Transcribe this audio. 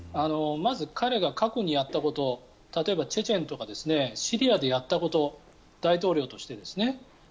まず、彼が過去にやったこと例えばチェチェンとかシリアでやったこと大統領として。